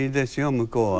向こうは。